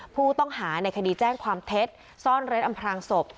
ผู้ต้องหาในคดีแจ้งความเท็จซ่อนเร้นอำพลางศพ